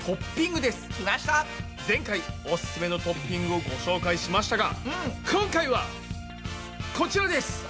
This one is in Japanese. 前回オススメのトッピングをご紹介しましたが今回はこちらです！